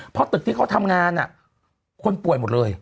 เพราะตึกที่เขาทำงานคนป่วยหมดเลย